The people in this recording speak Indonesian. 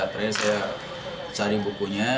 akhirnya saya cari bukunya